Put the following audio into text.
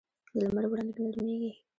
د لمر وړانګې نرمېږي